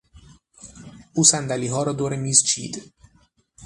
او صندلیها را دور میز چید.